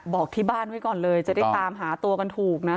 บอกที่บ้านไว้ก่อนเลยจะได้ตามหาตัวกันถูกนะ